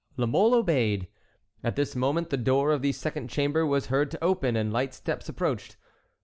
'" La Mole obeyed. At this moment the door of the second chamber was heard to open, and light steps approached.